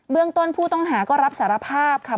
ต้นผู้ต้องหาก็รับสารภาพค่ะ